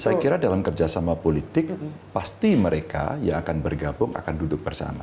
saya kira dalam kerjasama politik pasti mereka yang akan bergabung akan duduk bersama